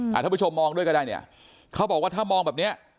ท่านผู้ชมมองด้วยก็ได้เนี่ยเขาบอกว่าถ้ามองแบบเนี้ย